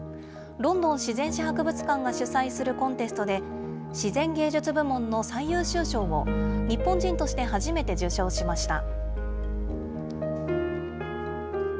ロンドン自然史博物館が主催するコンテストで、自然芸術部門の最優秀賞を、日本人として初めて受賞しました。